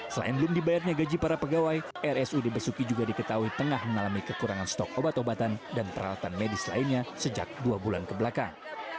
selain belum dibayarnya gaji para pegawai rsud besuki juga diketahui tengah mengalami kekurangan stok obat obatan dan peralatan medis lainnya sejak dua bulan kebelakang